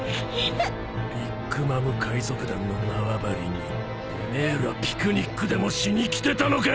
ビッグ・マム海賊団の縄張りにてめえらピクニックでもしに来てたのか。